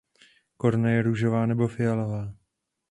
Koruna je růžová nebo fialová.